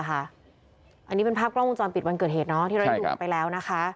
อันนี้เป็นภาพกล้องวงจรปิดวันเกิดเหตุที่เราได้ดูกันไปแล้วนะคะ